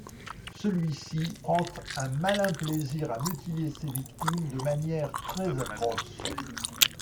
Celui-ci prend un malin plaisir à mutiler ses victimes de manières très atroces.